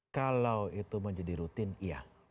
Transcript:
kalau itu menjadi rutin iya